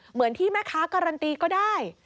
เหมือนที่แม่ค้าการันตีก็ได้